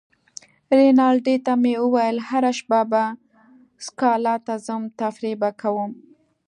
رینالډي ته مې وویل: هره شپه به سکالا ته ځم، تفریح به کوم.